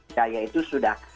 daya itu sudah